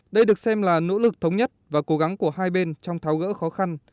đây được xem là nỗ lực thống nhất và cố gắng của hai bên trong tháo gỡ khó khăn